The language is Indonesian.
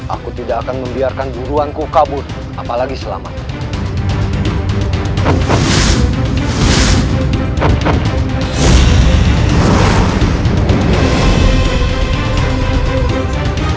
aku tidak akan membiarkan jumlah kakak tangmmu kabur kebaikan jika anda membencimankan ini